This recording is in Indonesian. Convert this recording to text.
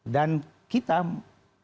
dan kita melakukan seminar nasional